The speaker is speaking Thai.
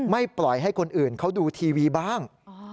ไม่ปล่อยให้คนอื่นเขาดูทีวีบ้าง